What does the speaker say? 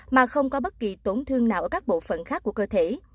mà không có bất kỳ tổn thương nào ở các bộ phận khác của cơ thể